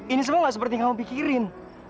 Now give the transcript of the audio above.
ini semua gak seperti yang kamu pikirin